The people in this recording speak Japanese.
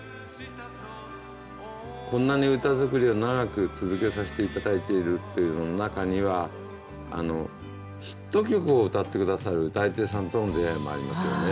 こんなに歌作りを長く続けさせて頂いてるという中にはヒット曲を歌って下さる歌い手さんとの出会いもありますよね。